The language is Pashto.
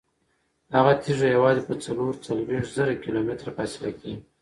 هغه تیږه یوازې په څلور څلوېښت زره کیلومتره فاصله کې وه.